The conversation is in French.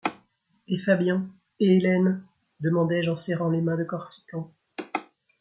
Et Fabian ? et Ellen ? demandai-je, en serrant les mains de Corsican.